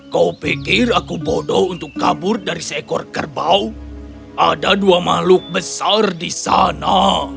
kau pikir aku bodoh untuk kabur dari seekor kerbau ada dua makhluk besar di sana